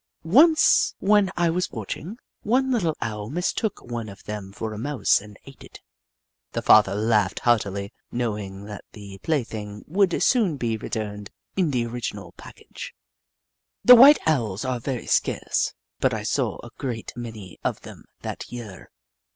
Once, when I was watching, one little Owl mistook one of them for a Mouse and ate it. The father laughed heartily, knowing that the play thinof would soon be returned in the oriofinal package. The white Owls are very scarce, but I saw a great many of them that year.